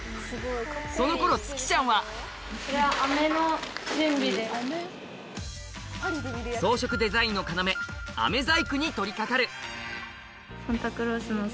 その頃つきちゃんは装飾デザインの要飴細工に取り掛かる金色の。